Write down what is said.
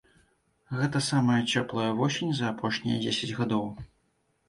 Гэта самая цёплая восень за апошнія дзесяць гадоў.